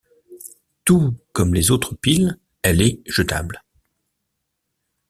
Tous comme les autres piles, elle est jetable.